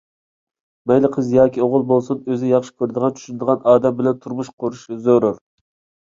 مەيلى قىز ياكى ئوغۇل بولسۇن، ئۆزى ياخشى كۆرىدىغان، چۈشىنىدىغان ئادەم بىلەن تۇرمۇش قۇرۇشى زۆرۈر.